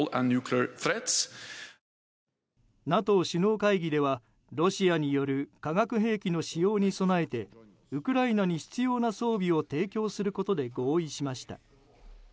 ＮＡＴＯ首脳会議ではロシアによる化学兵器の使用に備えてウクライナに必要な装備を提供することで合意しました。